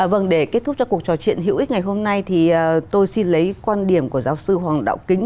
vâng để kết thúc cho cuộc trò chuyện hữu ích ngày hôm nay thì tôi xin lấy quan điểm của giáo sư hoàng đạo kính